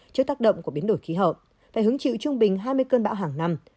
trước tác động của biến đổi khí hậu phải hứng chịu trung bình hai mươi cơn bão hàng năm